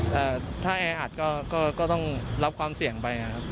แต่ถ้าแออัดก็ต้องรับความเสี่ยงไปนะครับ